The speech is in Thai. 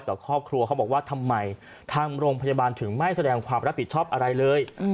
แต่ครอบครัวเขาบอกว่าทำไมทางโรงพยาบาลถึงไม่แสดงความรับผิดชอบอะไรเลย